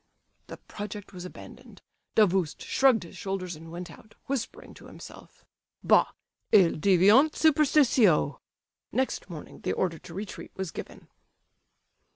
—' "The project was abandoned; Davoust shrugged his shoulders and went out, whispering to himself—'Bah, il devient superstitieux!' Next morning the order to retreat was given."